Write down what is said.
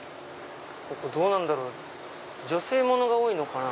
ここどうなんだろう女性物が多いのかな？